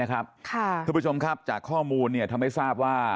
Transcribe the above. คุณผู้ชมครับจากข้อมูลทำให้ทราบว่า